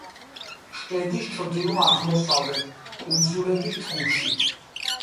შედის ჩრდილო-აღმოსავლეთ კუნძლების ჯგუფში.